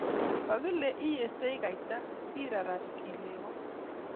Kakile iyestoi kaita ki rarat kilewo.